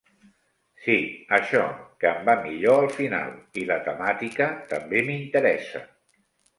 Sí això, que em va millor al final i la temàtica també m'interessa.